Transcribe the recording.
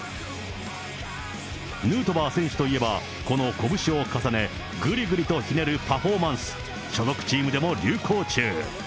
ヌートバー選手といえば、この拳を重ね、ぐりぐりとひねるパフォーマンス、所属チームでも流行中。